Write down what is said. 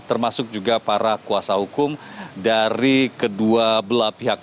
termasuk juga para kuasa hukum dari kedua belah pihak